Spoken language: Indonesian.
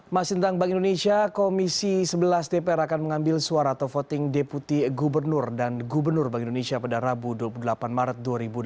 masih tentang bank indonesia komisi sebelas dpr akan mengambil suara atau voting deputi gubernur dan gubernur bank indonesia pada rabu dua puluh delapan maret dua ribu delapan belas